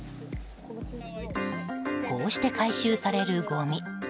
こうして回収されるごみ。